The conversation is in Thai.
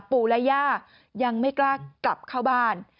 ปู่และย่ายังไม่กล้ากลับเข้าบ้าน